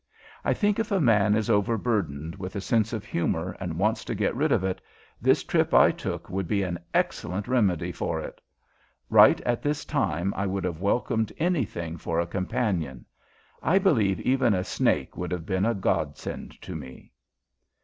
I think if a man is overburdened with a sense of humor and wants to get rid of it, this trip I took would be an excellent remedy for it. Right at this time I would have welcomed anything for a companion; I believe even a snake would have been a godsend to me.